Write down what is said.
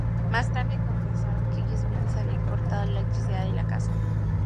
Más tarde confesaron que ellos mismos habían cortado la electricidad de la casa.